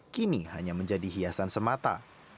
kini hanya menjadi hiasan semata